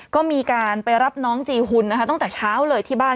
ก็มีการไปรับน้องจีหุ่นนะคะตั้งแต่เช้าเลยที่บ้าน